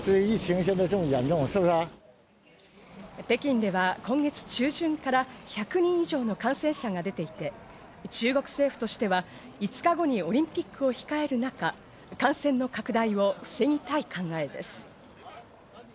北京では今月中旬から１００人以上の感染者が出ていて、中国政府としては、５日後にオリンピックを控える中、感染の拡大を防ぎたい考えです。